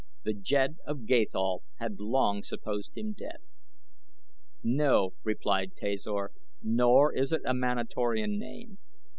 The Jed of Gathol had long supposed him dead. "No," replied Tasor, "nor is it a Manatorian name.